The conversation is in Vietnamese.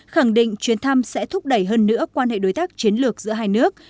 khẳng định chuyến thăm sẽ thúc đẩy hơn nữa quan hệ đối tác chiến lược giữa hai nước